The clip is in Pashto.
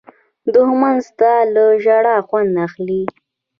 دښمن ستا له ژړا خوند اخلي